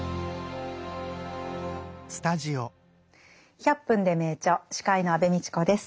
「１００分ｄｅ名著」司会の安部みちこです。